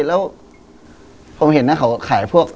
แล้วผมเห็นนะเขาขายพวก